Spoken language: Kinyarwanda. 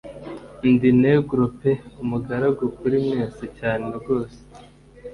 Ndi Negro pe umugaragu kuri mwese cyane rwose